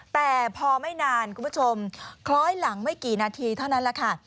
แต่พอไม่นานคุณผู้ชมคล้อยหลังไม่กี่นาทีเท่านั้นแหละค่ะ